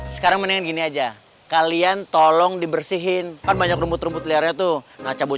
sekarang mendingan gini aja kalian tolong dibersihin kan banyak rumput rumput liarnya tuh nah cabut